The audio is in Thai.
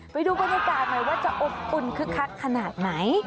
ไปดูบรรยากาศหน่อยว่าจะอบอุ่นคึกคักขนาดไหน